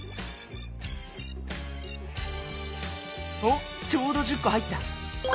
おちょうど１０こ入った！